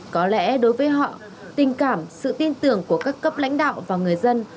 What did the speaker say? có lẽ đối với họ tình cảm sự tin tưởng của các cấp lãnh đạo và người dân